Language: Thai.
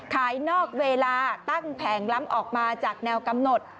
นอกเวลาตั้งแผงล้ำออกมาจากแนวกำหนด